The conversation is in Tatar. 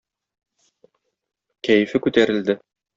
Кәефе күтәрелде.